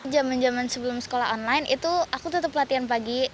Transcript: zaman zaman sebelum sekolah online itu aku tetap latihan pagi